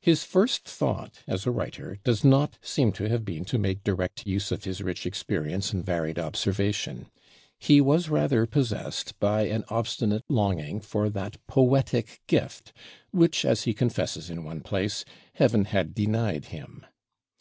His first thought as a writer does not seem to have been to make direct use of his rich experience and varied observation; he was rather possessed by an obstinate longing for that poetic gift which, as he confesses in one place, Heaven had denied him.